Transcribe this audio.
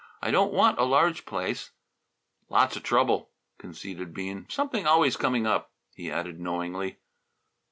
"I don't want a large place." "Lots of trouble," conceded Bean. "Something always coming up," he added knowingly.